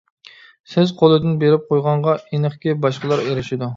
سىز قولدىن بېرىپ قويغانغا، ئېنىقكى باشقىلار ئېرىشىدۇ.